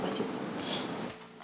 taruh aja dulu di sana